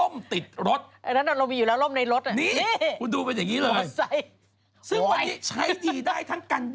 ไม่อยู่ในรถ